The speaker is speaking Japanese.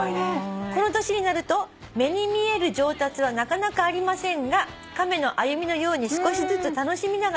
「この年になると目に見える上達はなかなかありませんが亀の歩みのように少しずつ楽しみながら勉強しております」